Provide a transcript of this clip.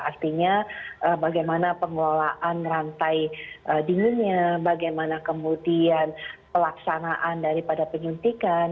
artinya bagaimana pengelolaan rantai dinginnya bagaimana kemudian pelaksanaan daripada penyuntikan